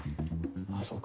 ああそうか。